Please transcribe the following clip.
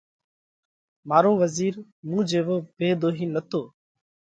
مارو وزِير مُون جيوو ڀيۮوهِي نتو،